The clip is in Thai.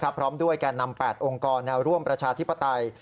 พร้อมด้วยแก่นำ๘องค์กรแนวร่วมประชาธิปไตย